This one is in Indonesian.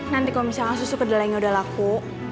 nanti kalo misalkan susu kedai ini udah laku